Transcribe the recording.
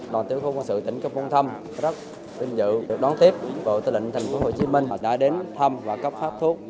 đoàn tiểu khu quân sự tp hcm rất tinh dự đón tiếp bộ tư lệnh tp hcm đã đến thăm và khám phát thuốc